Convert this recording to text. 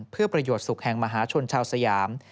เพื่อประโยชน์สุขแห่งมหาชนชาวสยาม